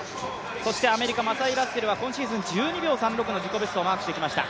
そしてアメリカ、マサイ・ラッセルは今シーズン１２秒３６の自己ベストをマークしてきました。